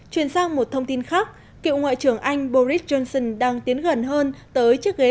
chuyển sang một thông tin khác cựu ngoại trưởng anh boris johnson đang tiến gần hơn tới chiếc ghế